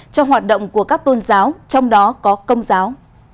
cho hoạt động của các tôn giáo trong đó có công giáo